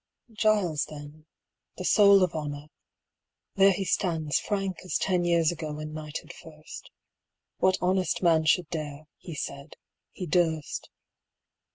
Giles then, the soul of honor there he stands Frank as ten years ago when knighted first. What honest man should dare (he said) he durst.